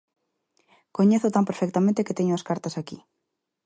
Coñézoo tan perfectamente que teño as cartas aquí.